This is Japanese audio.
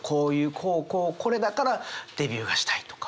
こうこうこれだからデビューがしたいとか。